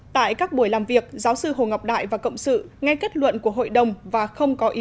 tại các buổi làm việc giáo sư hồ ngọc đại và cộng sự nghe kết luận của hội đồng và không có ý